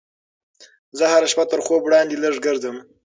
زه هره شپه تر خوب وړاندې لږ ګرځم.